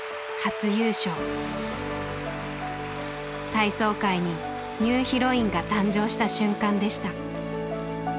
体操界にニューヒロインが誕生した瞬間でした。